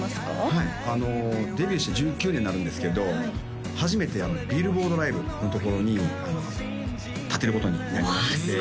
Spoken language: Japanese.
はいデビューして１９年になるんですけど初めてビルボードライブのところに立てることになりましてうわ